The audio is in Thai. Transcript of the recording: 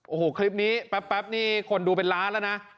โอ้โหคลิปนี้แป๊บนี่คนดูเป็นล้านแล้วนะ